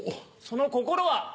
その心は！